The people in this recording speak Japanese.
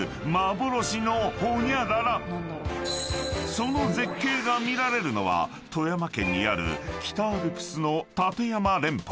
［その絶景が見られるのは富山県にある北アルプスの］